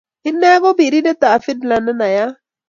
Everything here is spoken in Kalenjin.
Inee ko birindet ab fidla ne naiyat